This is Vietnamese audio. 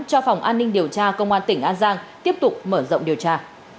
cho phòng an ninh điều tra công an tỉnh an giang tiếp tục mở rộng điều tra